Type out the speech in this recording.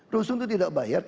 rusun itu tidak bayar